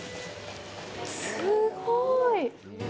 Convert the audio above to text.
すごい！